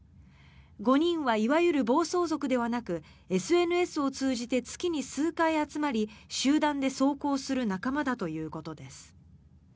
５人はいわゆる暴走族ではなくＳＮＳを通じて月に数回集まり集団で走行する仲間だということです。